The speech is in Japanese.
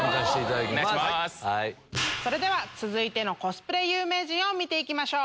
それでは続いてのコスプレ有名人見て行きましょう。